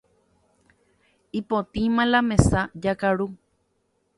Ipotĩma la mesa, jakaru.